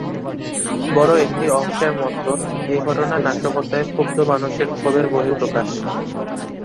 বড় একটি অংশের মত, এ ঘটনা নাশকতায় ক্ষুব্ধ মানুষের ক্ষোভের বহিঃপ্রকাশ।